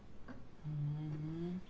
ふん。